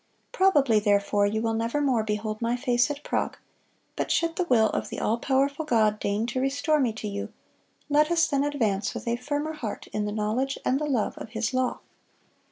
Probably, therefore, you will never more behold my face at Prague: but should the will of the all powerful God deign to restore me to you, let us then advance with a firmer heart in the knowledge and the love of His law."